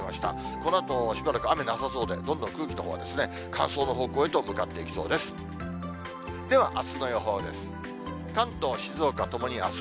このあとしばらく雨なさそうで、どんどん空気、乾燥の方向へと向かっていきそうです。